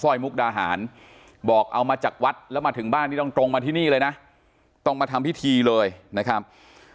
มุกดาหารบอกเอามาจากวัดแล้วมาถึงบ้านนี่ต้องตรงมาที่นี่เลยนะต้องมาทำพิธีเลยนะครับ